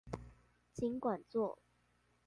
儘管做